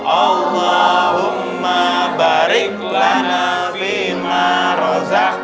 allahumma barik lana fil marzak